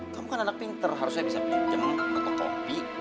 kamu kan anak pinter harusnya bisa pinjam atau kopi